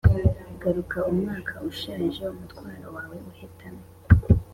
"garuka, umwaka ushaje, umutwaro wawe uhetamye.